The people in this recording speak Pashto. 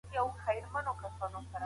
د بدن بوی د وینې موادو پورې تړلی دی.